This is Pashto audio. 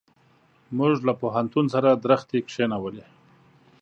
موږ له پوهنتون سره درختي کښېنولې.